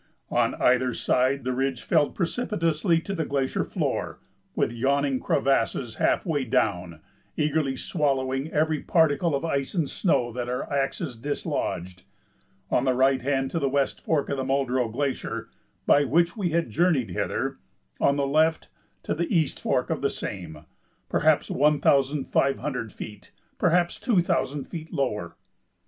On either side the ridge fell precipitously to a glacier floor, with yawning crevasses half way down eagerly swallowing every particle of ice and snow that our axes dislodged: on the right hand to the west fork of the Muldrow Glacier, by which we had journeyed hither; on the left to the east fork of the same, perhaps one thousand five hundred feet, perhaps two thousand feet lower.